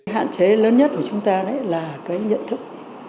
hạn chế lớn nhất của chúng ta là cái nhận thức